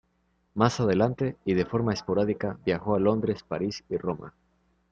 Más adelante, y de forma esporádica viajó a Londres, París, y Roma.